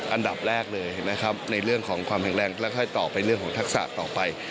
อันดับแรกเลยนะครับในเรื่องของความแข็งแรงแล้วค่อยต่อไปเรื่องของทักษะต่อไป